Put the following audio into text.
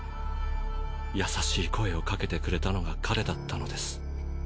優しい声をかけてくれたのが彼だったのです。